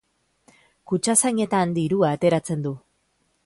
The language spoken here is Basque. Kutxazainetan dirua ateratzen du.